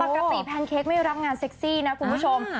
แพนเค้กไม่รับงานเซ็กซี่นะคุณผู้ชม